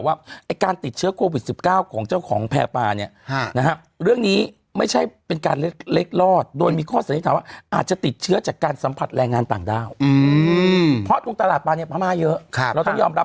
ว่าไอ้การติดเชื้อโควิด๑๙ของเจ้าของแพร่ปลาเนี่ยนะฮะเรื่องนี้ไม่ใช่เป็นการเล็กรอดโดยมีข้อสันนิษฐานว่าอาจจะติดเชื้อจากการสัมผัสแรงงานต่างด้าวเพราะตรงตลาดปลาเนี่ยพม่าเยอะเราต้องยอมรับ